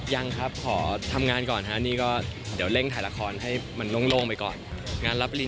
ยังไม่มีแพลนต่อไป